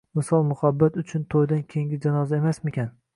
Visol muhabbat uchun to‘ydan keyingi janoza emasmikin?!